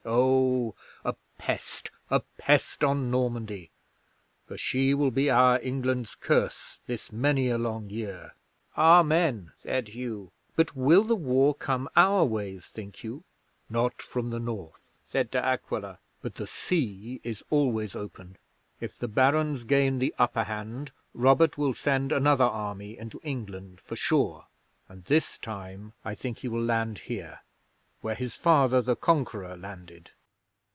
Oh, a pest a pest on Normandy, for she will be our England's curse this many a long year!" '"Amen," said Hugh. "But will the war come our ways, think you?" '"Not from the North," said De Aquila. "But the sea is always open. If the Barons gain the upper hand Robert will send another army into England for sure, and this time I think he will land here where his father, the Conqueror, landed.